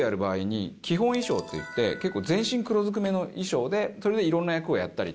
結構基本衣装っていって結構全身黒ずくめの衣装でそれで色んな役をやったりとか。